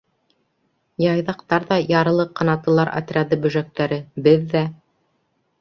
Яйҙаҡтар ҙа ярылы ҡанатлылар отряды бөжәктәре, беҙ ҙә!